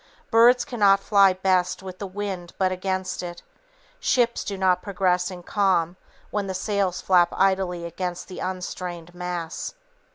Birds cannot fly best with the wind but against it; ships do not progress in calm, when the sails flap idly against the unstrained masts.